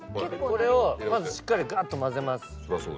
これをまずしっかりがっと混ぜます。